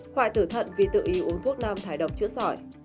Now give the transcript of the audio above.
khoại tử thận vì tự y uống thuốc nam thải độc chữa sỏi